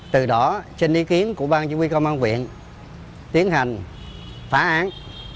từ đó trên ý kiến của ban chính quyền công an huyện tiến hành phá án